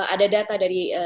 ada data dari sma